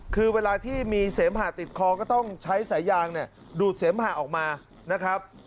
คือเวลาที่มีเสมหะติดคอก็ต้องใช้สายยางเนี่ยดูดเสมหะออกมานะครับ